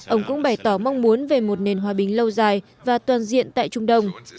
ông cũng bày tỏ mong muốn về một nền hòa bình lâu dài và toàn diện tại trung đông